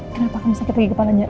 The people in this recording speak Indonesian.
kenapa kamu sakit lagi kepalanya